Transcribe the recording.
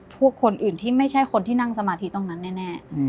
พวกคนอื่นที่ไม่ใช่คนที่นั่งสมาธิตรงนั้นแน่